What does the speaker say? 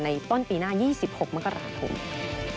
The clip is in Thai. ในต้นปีหน้า๒๖มกราภูมิ